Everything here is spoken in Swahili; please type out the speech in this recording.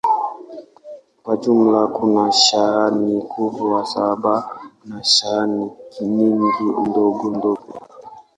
Kwa jumla, kuna sahani kubwa saba na sahani nyingi ndogondogo.